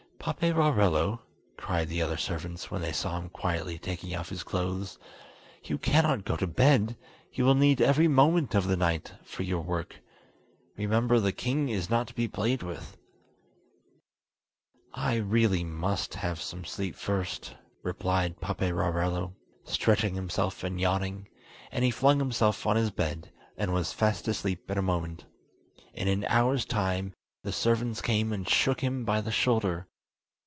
"Paperarello," cried the other servants, when they saw him quietly taking off his clothes, "you cannot go to bed; you will need every moment of the night for your work. Remember, the king is not to be played with!" "I really must have some sleep first," replied Paperarello, stretching himself and yawning; and he flung himself on his bed, and was fast asleep in a moment. In an hour's time, the servants came and shook him by the shoulder.